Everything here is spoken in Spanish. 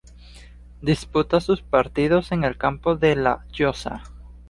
Disputaba sus partidos en el campo de "La Llosa".